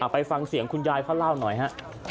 ไปฟังเสียงคุณยายเขาเล่าหน่อยฮะ